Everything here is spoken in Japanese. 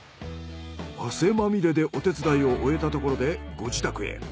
汗まみれでお手伝いを終えたところでご自宅へ。